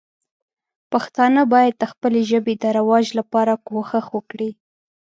پښتانه باید د خپلې ژبې د رواج لپاره کوښښ وکړي.